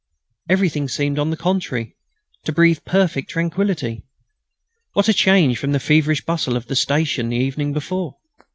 Everything seemed, on the contrary, to breathe perfect tranquillity. What a change from the feverish bustle of the station the evening before!